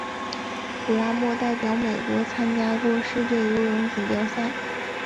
普拉默代表美国参加过世界游泳锦标赛。